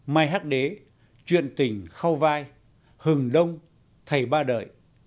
mai hắc đế chuyện tình khâu vai hừng đông thầy ba đợi